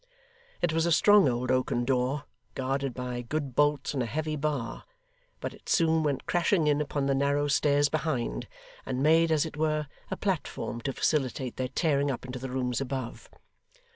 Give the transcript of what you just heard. It was a strong old oaken door, guarded by good bolts and a heavy bar, but it soon went crashing in upon the narrow stairs behind, and made, as it were, a platform to facilitate their tearing up into the rooms above.